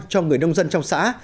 cho người nông dân trong xã